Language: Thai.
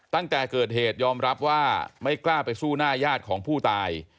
ตั้งแต่เกิดเหตุยอมรับว่าไม่กล้าไปสู้หน้าญาติของผู้ตาย